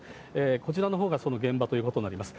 こちらのほうがその現場ということになります。